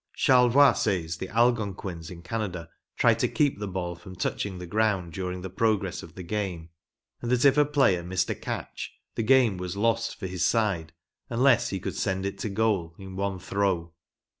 Charlevoix says the Algonquins in Canada tried to keep the ball from touching the ground during the progress of the game, and that if a player missed a catch, the game was lost for his side unless he could send it to o oaLin one throw.